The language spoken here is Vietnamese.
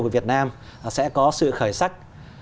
của việt nam sẽ có sự khởi sắc